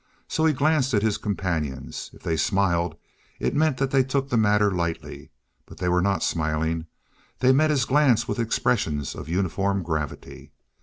So he glanced at his companions. If they smiled, it meant that they took the matter lightly. But they were not smiling; they met his glance with expressions of uniform gravity.